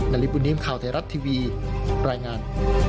ริปุ่นนิมข่าวไทยรัฐทีวีรายงาน